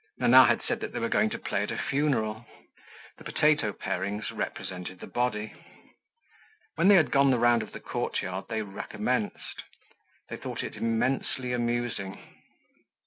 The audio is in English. Nana had said that they were going to play at a funeral; the potato parings represented the body. When they had gone the round of the courtyard, they recommenced. They thought it immensely amusing.